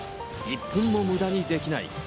１分も無駄にできない。